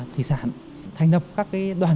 thủy sản thành lập các đoàn